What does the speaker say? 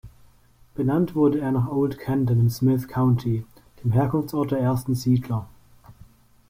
Benannt wurde er nach Old Canton im Smith County, dem Herkunftsort der ersten Siedler.